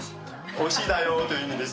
おいしいよという意味です。